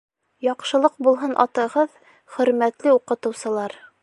Яҡшылыҡ булһын атығыҙ, Хөрмәтле уҡытыусылар!